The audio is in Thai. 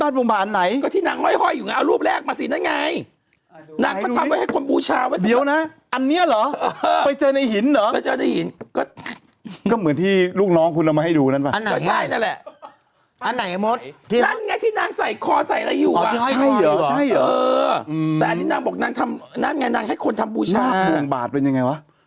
เราใช้แบบไม่จำเป็นต้องขนาดนี้นะ